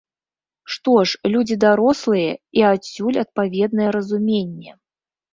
Што ж, людзі дарослыя і адсюль адпаведнае разуменне.